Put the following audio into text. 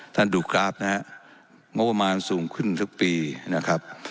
ดูกราฟนะฮะงบประมาณสูงขึ้นทุกปีนะครับ